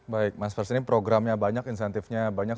baik mas first ini programnya banyak insentifnya banyak